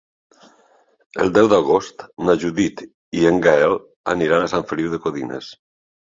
El deu d'agost na Judit i en Gaël aniran a Sant Feliu de Codines.